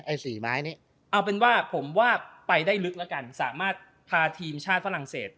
สี่ไม้นี้เอาเป็นว่าผมว่าไปได้ลึกแล้วกันสามารถพาทีมชาติฝรั่งเศส